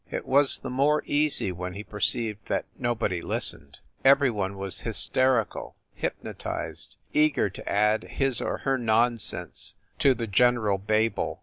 It was the more easy when he perceived that nobody listened every one was hys terical, hypnotized, eager to add his or her nonsense to the general babel.